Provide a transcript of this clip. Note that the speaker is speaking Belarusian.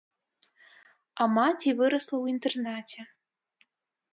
А маці вырасла ў інтэрнаце.